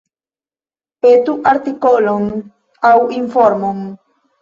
Petu artikolon aŭ informon.